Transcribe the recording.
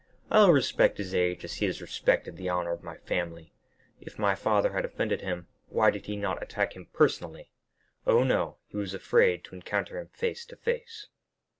"I will respect his age as he has respected the honor of my family; if my father had offended him, why did he not attack him personally? Oh, no, he was afraid to encounter him face to face."